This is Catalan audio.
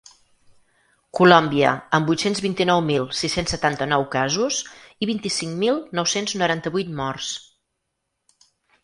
Colòmbia, amb vuit-cents vint-i-nou mil sis-cents setanta-nou casos i vint-i-cinc mil nou-cents noranta-vuit morts.